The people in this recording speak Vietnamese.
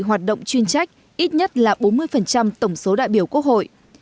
hoạt động chuyên trách ít nhất là bốn mươi tổng số đại biểu quốc hội